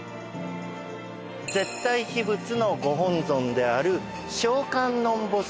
絶対秘仏のご本尊である聖観音菩薩。